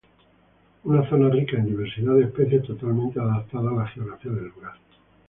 Una zona rica en diversidad de especies totalmente adaptadas a la geografía del lugar.